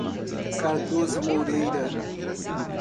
Cardoso Moreira